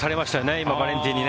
今、バレンティンにね。